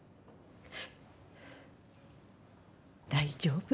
大丈夫。